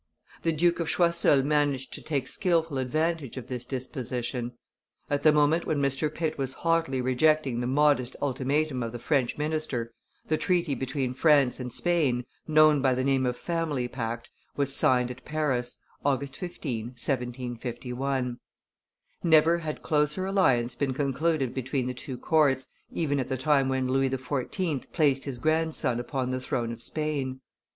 The Duke of Choiseul managed to take skilful advantage of this disposition. At the moment when Mr. Pitt was haughtily rejecting the modest ultimatum of the French minister, the treaty between France and Spain, known by the name of Family Pact, was signed at Paris (August 15, 1761). Never had closer alliance been concluded between the two courts, even at the time when Louis XIV. placed his grandson upon the throne of Spain.